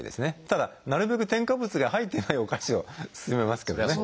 ただなるべく添加物が入ってないお菓子を勧めますけどね。